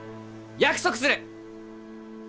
約束する！